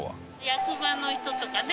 役場の人とかね